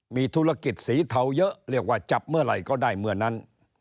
มีธุรกิจสีเทาเยอะเรียกว่าจับเมื่อไหร่ก็ได้เมื่อนั้น